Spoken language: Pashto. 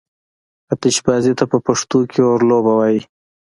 آتشبازي ته په پښتو کې اورلوبه وايي.